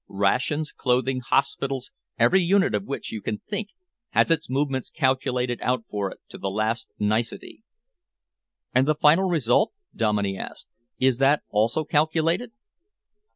Rations, clothing, hospitals, every unit of which you can think, has its movements calculated out for it to the last nicety." "And the final result?" Dominey asked. "Is that also calculated?"